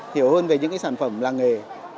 hiểu hơn về những sản phẩm làng nghề